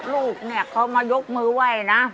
ลูกเนี่ยเขามายกมือไหว้นะ